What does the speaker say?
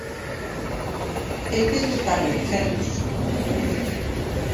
Estes están exentos.